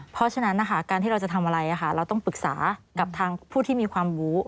เพราะฉะนั้นนะคะการที่เราจะทำอะไรเราต้องปรึกษากับทางผู้ที่มีความรู้